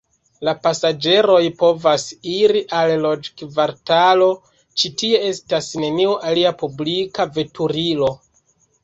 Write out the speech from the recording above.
La pasaĝeroj povas iri al loĝkvartalo, ĉi tie estas neniu alia publika veturilo.